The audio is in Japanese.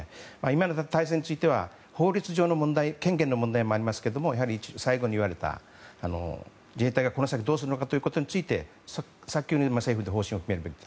今の体制については法律上の権限の問題もありますがやはり最後に言われた自衛隊がどうするのかということについて早急に政府で方針を決めるべき。